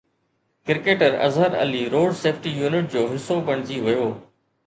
cricketer Azhar Ali road safety unit جو حصو بڻجي ويو